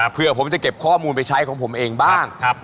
เพื่อผมจะเก็บข้อมูลไปใช้ของผมเองบ้าง